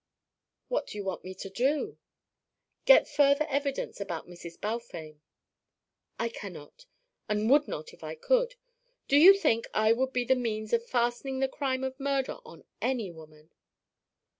"What do you want me to do?" "Get further evidence about Mrs. Balfame." "I cannot, and would not if I could. Do you think I would be the means of fastening the crime of murder on any woman?"